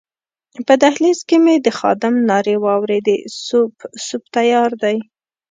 په دهلېز کې مې د خادم نارې واورېدې سوپ، سوپ تیار دی.